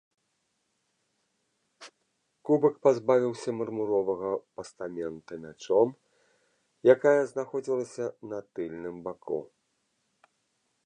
Кубак пазбавіўся мармуровага пастамента мячом, якая знаходзілася на тыльным баку.